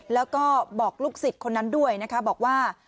แล้วก็บอกลูกศิษย์คนนั้นด้วยนะคะบอกว่า